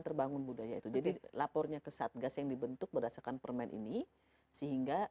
terbangun budaya itu jadi lapornya ke satgas yang dibentuk berdasarkan permen ini sehingga